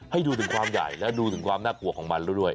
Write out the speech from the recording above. ให้ดูถึงความใหญ่แล้วดูถึงความน่ากลัวของมันแล้วด้วย